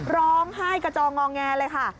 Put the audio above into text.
ร้องไห้กระจองงอแงเลยค่ะ